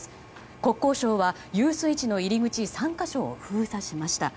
国交省は遊水池の入り口３か所を封鎖しました。